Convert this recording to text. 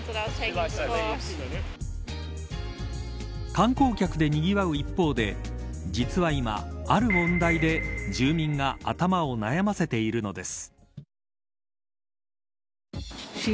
観光客でにぎわう一方で実は今、ある問題で住民が頭を悩ませているのです。